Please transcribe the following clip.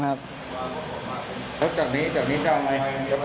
แล้วจากนี้จะจะเอามาไง